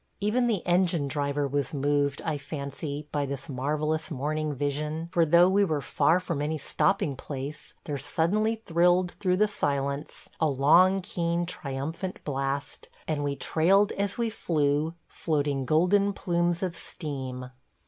Even the engine driver was moved, I fancy, by this marvellous morning vision, for though we were far from any stopping place, there suddenly thrilled through the silence a long, keen, triumphant blast, and we trailed as we flew floating golden plumes of steam.